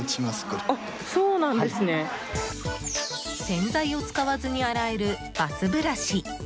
洗剤を使わずに洗えるバスブラシ。